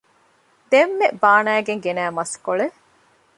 ދެންމެ ބާނައިގެން ގެނައި މަސްކޮޅެއް